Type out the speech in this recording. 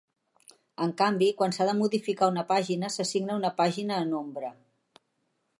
En canvi, quan s'ha de modificar una pàgina, s'assigna una pàgina en ombra.